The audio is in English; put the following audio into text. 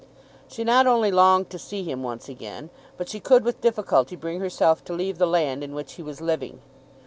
She not only longed to see him once again, but she could with difficulty bring herself to leave the land in which he was living.